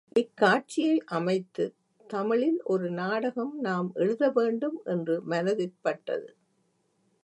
இக்காட்சியை அமைத்துத் தமிழில் ஒரு நாடகம் நாம் எழுதவேண்டும் என்று மனத்திற்பட்டது.